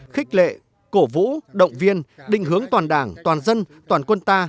khích lệ cổ vũ động viên định hướng toàn đảng toàn dân toàn quân ta